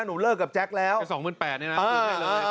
หนูเลิกกับแจ๊กแล้วสองหมื่นแปดเนี้ยนะเอาให้เลย